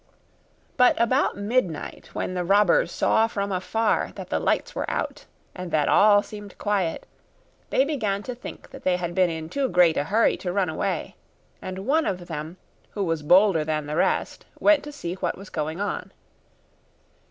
But about midnight, when the robbers saw from afar that the lights were out and that all seemed quiet, they began to think that they had been in too great a hurry to run away; and one of them, who was bolder than the rest, went to see what was going on.